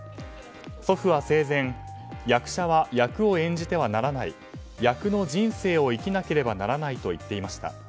祖父は生前役者は役を演じてはならない役の人生を生きなければならないと言っていました。